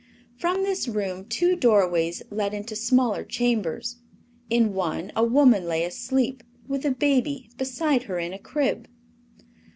From this room two doorways led into smaller chambers. In one a woman lay asleep, with a baby beside her in a crib.